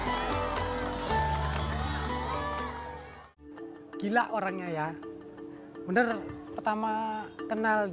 akhirnya dia mengucapkan penguasaan terber peluru